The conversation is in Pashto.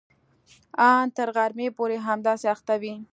ان تر غرمې پورې همداسې اخته وي.